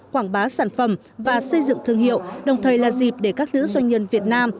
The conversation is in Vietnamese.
quảng bá sản phẩm và xây dựng thương hiệu đồng thời là dịp để các nữ doanh nhân việt nam